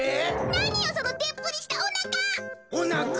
なによそのでっぷりしたおなか！